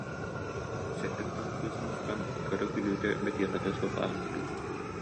Сэттэ кыталык кыыс мустан көрө-күлүүтэ, бэтиэхэтэ суох ааһыа дуо